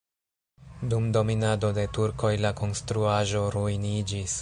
Dum dominado de turkoj la konstruaĵo ruiniĝis.